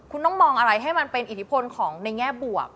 คุณต้องมองอะไรให้มันเป็นอิทธิพลของในแง่บวก